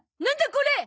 これ。